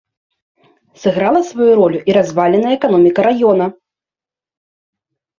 Сыграла сваю ролю і разваленая эканоміка раёна.